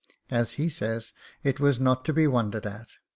As he says, it was not to be won dered at.